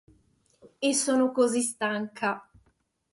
E sono così stanca.